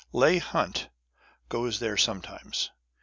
Leigh Hunt goes there sometimes.